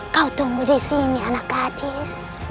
kau tumbuh di sini anak gadis